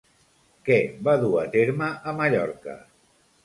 Què va dur a terme a Mallorca?